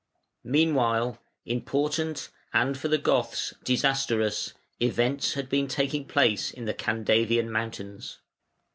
Meanwhile, important, and for the Goths disastrous, events had been taking place in the Candavian mountains.